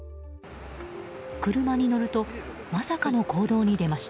車に乗るとまさかの行動に出ました。